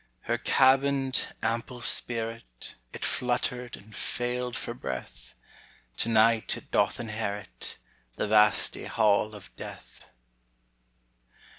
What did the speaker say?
Her cabined, ample Spirit, It fluttered and failed for breath. To night it doth inherit The vasty Hall of Death.